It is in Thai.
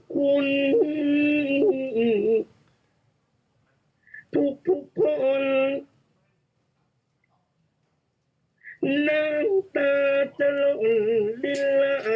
ขอบคุณทุกคนน้ำตาจะร้องได้ไหม